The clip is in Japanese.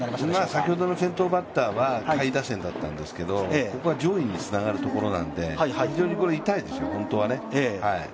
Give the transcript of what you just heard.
先ほどの先頭バッターは下位打線だったんですけど、ここは上位につながるところなので、非常に痛いですよ、本当はね。